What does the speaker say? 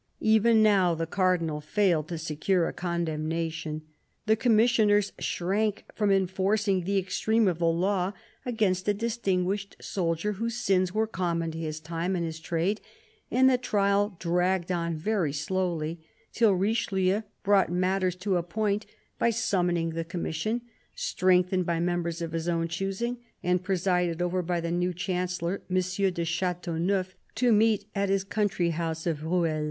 Even now the Cardinal THE CARDINAL 223 failed to secure a condemnation. The Commissioners shrank from enforcing the extreme of the law against a distinguished soldier whose sins were common to his time and his trade, and the trial dragged on very slowly, till Richelieu brought matters to a point by summoning the Commission, strengthened by members of his own choosing and presided over by the new Chancellor, M. de Chateau neuf, to meet at his country house of Rueil.